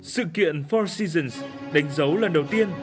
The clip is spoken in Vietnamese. sự kiện four seasons đánh dấu lần đầu tiên